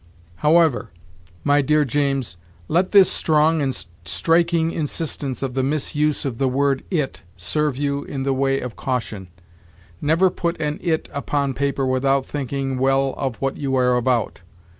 "However, my dear James, let this strong and striking instance of the misuse of the word it serve you in the way of caution. Never put an it upon paper without thinking well of what you are about.